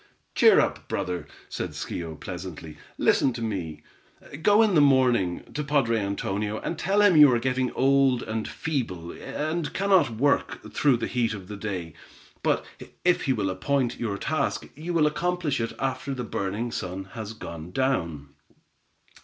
"Cheer up, brother," said Schio, pleasantly. "Listen to me. Go in the morning, to padre Antonio, and tell him you are getting old and feeble, and cannot work through the heat of the day, but if he will appoint your task, you will accomplish it after the burning sun has gone down.